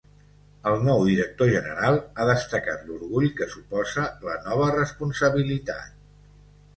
El nou director general ha destacat l’orgull que suposa la nova responsabilitat.